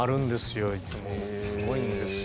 すごいんですよ。